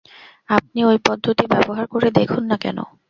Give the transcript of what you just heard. আপনি ঐ পদ্ধতি ব্যবহার করে দেখুন না কেন।